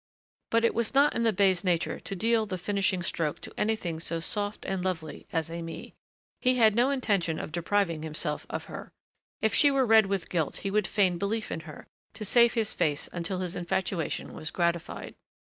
But it was not in the bey's nature to deal the finishing stroke to anything so soft and lovely as Aimée. He had no intention of depriving himself of her. If she were red with guilt he would feign belief in her, to save his face until his infatuation was gratified.